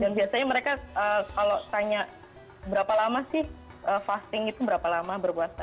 dan biasanya mereka kalau tanya berapa lama sih fasting itu berapa lama berpuasa